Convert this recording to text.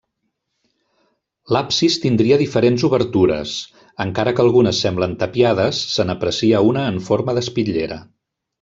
L'absis tindria diferents obertures, encara que algunes semblen tapiades, se n'aprecia una en forma d'espitllera.